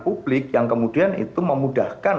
publik yang kemudian itu memudahkan